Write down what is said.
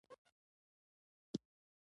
کاري تجربه او کاري اهلیت هم کتل کیږي.